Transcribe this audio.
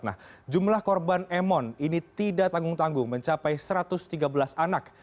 nah jumlah korban emon ini tidak tanggung tanggung mencapai satu ratus tiga belas anak